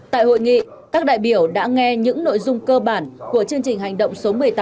tại hội nghị các đại biểu đã nghe những nội dung cơ bản của chương trình hành động số một mươi tám